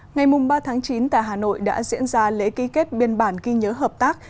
ngày ba chín tại hà nội đã diễn ra lễ ký kết biên bản ghi nhớ hợp tác